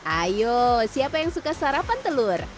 ayo siapa yang suka sarapan telur